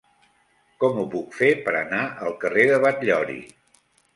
Com ho puc fer per anar al carrer de Batllori?